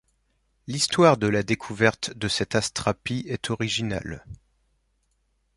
L'histoire de la découverte de cette astrapie est originale.